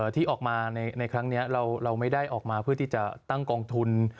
ที่ออกมาเพื่อที่จะตั้งกองทุน